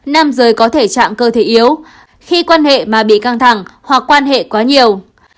nam giới có thể trạng cơ thể yếu khi quan hệ mà bị căng thẳng hoặc quan hệ quá nhiều